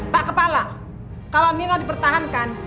pak kepala kalau nino dipertahankan